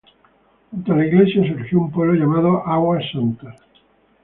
Junto a la iglesia, surgió un pueblo llamado Águas Santas.